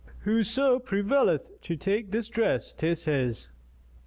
Whoso prevaileth to take this dress, 'tis his.